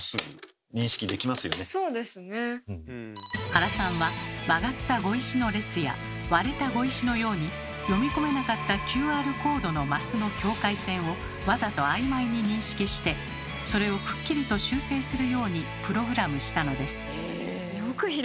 原さんは曲がった碁石の列や割れた碁石のように読み込めなかったＱＲコードのマスの境界線をわざとあいまいに認識してそれをくっきりと修正するようにプログラムしたのです。